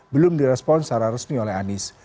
belum direspon secara resmi oleh anies